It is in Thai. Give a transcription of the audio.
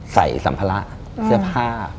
ใส่สัมพระเสื้อผ้า